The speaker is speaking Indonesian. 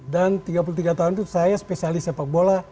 dan tiga puluh tiga tahun itu saya spesialis sepak bola